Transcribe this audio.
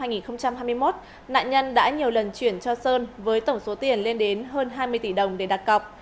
nạn nhân đã nhiều lần chuyển cho sơn với tổng số tiền lên đến hơn hai mươi tỷ đồng để đặt cọc